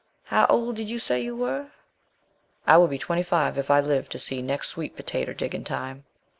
"How old did you say you were?" "I will be twenty five if I live to see next sweet potater digging time."